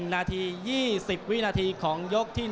นาที๒๐วินาทีของยกที่๑